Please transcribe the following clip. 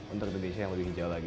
untuk indonesia yang lebih hijau lagi